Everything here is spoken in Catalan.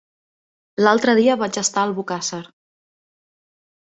L'altre dia vaig estar a Albocàsser.